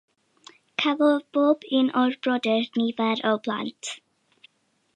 Cafodd bob un o'r brodyr nifer o blant.